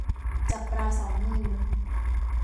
จับปลาสองมือ